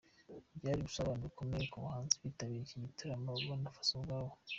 Byari ubusabane bukomeye ku bahanzi bitabiriye iki gitaramo n’abafana babo.